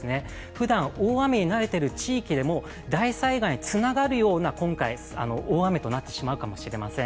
ふだん大雨に慣れている地域でも大災害につながるような今回大雨となってしまうかもしれません。